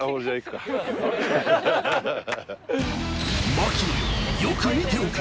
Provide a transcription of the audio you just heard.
槙野よ、よく見ておけ！